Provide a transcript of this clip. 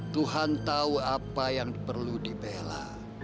tuhan tahu apa yang perlu dibela